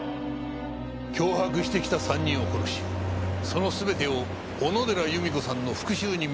脅迫してきた３人を殺しその全てを小野寺由美子さんの復讐に見せかける。